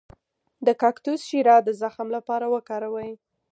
د کاکتوس شیره د زخم لپاره وکاروئ